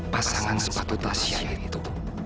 pasangan sepatu tasya itu